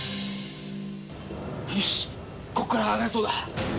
よしここから上がれそうだ。